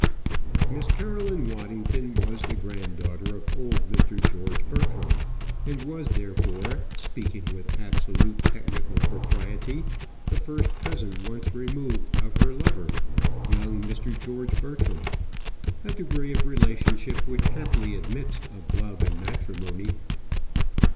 Miss Caroline Waddington was the granddaughter of old Mr. George Bertram; and was, therefore, speaking with absolute technical propriety, the first cousin once removed of her lover, young Mr. George Bertram a degree of relationship which happily admits of love and matrimony.